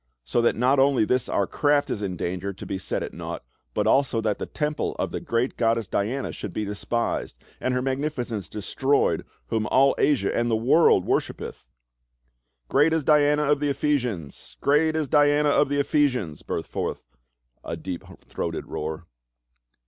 So that not only this our craft is in danger to be set at naught, but also that the temple of the great goddess Diana should be despised, and her magnificence destroyed, whom all Asia and the world worshipeth !" "GREAT DIANA OF THE EPIIESIANSf" 369 " Great is Diana of the Ephesians ! Great is Diana of the Ephesians !" burst forth a deep throated roar.